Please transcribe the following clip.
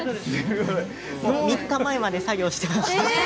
３日前まで作業してました。